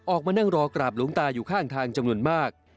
ออกมานั่งรอกราบหลวงตาอยู่ข้างทางจำนวนมาก